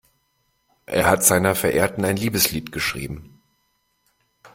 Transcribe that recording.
Er hat seiner Verehrten ein Liebeslied geschrieben.